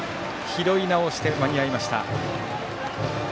拾い直して間に合いました。